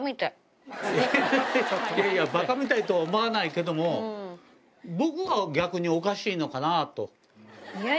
いやいや、ばかみたいとは思わないけれども、僕が逆におかしいのかなと。